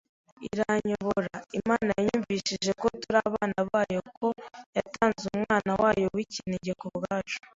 iranyobora, Imana yanyumvishije ko turi abana bayo ko yatanze umwana wayo w’ ikinege ku bwacu.